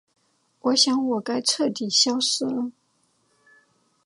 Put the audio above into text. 我想我该彻底消失了。